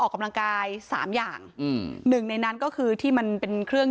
ออกกำลังกายสามอย่างอืมหนึ่งในนั้นก็คือที่มันเป็นเครื่อง